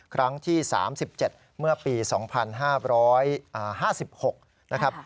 ครั้งที่๓๗เมื่อปี๒๕๕๖นะครับ